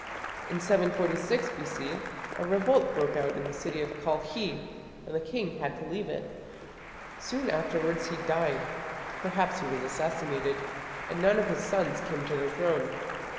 In 746 B.C. a revolt broke out in the city of Kalkhi and the king had to leave it. Soon afterwards he died perhaps he was assassinated and none of his sons came to the throne.